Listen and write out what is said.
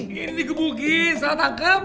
ini digebugin salah tangkep